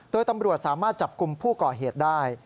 โดยตำรวจสามารถจับกลุ่มผู้ก่อเหตุได้